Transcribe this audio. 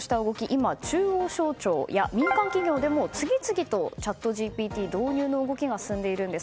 今、中央省庁や民間企業でも次々とチャットＧＰＴ導入の動きが進んでいるんです。